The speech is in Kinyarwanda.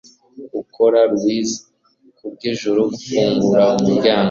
gukora, louise? ku bw'ijuru, fungura umuryango